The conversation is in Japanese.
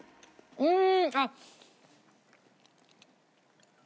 うん。